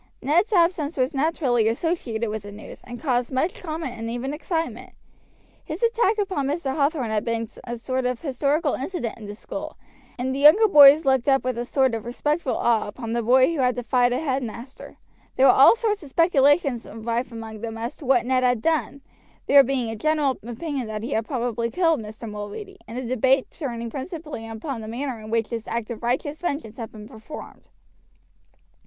Ned's absence was naturally associated with the news, and caused much comment and even excitement. His attack upon Mr. Hathorn had become a sort of historical incident in the school, and the younger boys looked up with a sort of respectful awe upon the boy who had defied a headmaster. There were all sorts of speculations rife among them as to what Ned had done, there being a general opinion that he had probably killed Mr. Mulready, and the debate turning principally upon the manner in which this act of righteous vengeance had been performed.